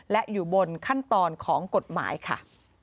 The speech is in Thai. และอยู่บนขั้นตอนของกฎหมายค่ะ